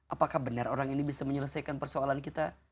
apakah benar orang ini bisa menyelesaikan persoalan kita